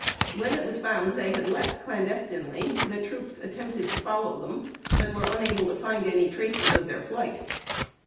When it was found they had left clandestinely, the troops attempted to follow them, but were unable to find any traces of their flight.